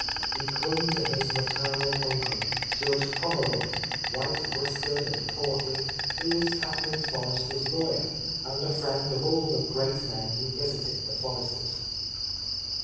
He clung to his maternal uncle. Judge Pommeroy, white whisk ered and portly, who was Captain Forrester's law yer and a friend of all the great men who visited the Forresters.